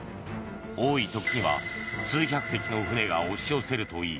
多い時には数百隻の船が押し寄せるといい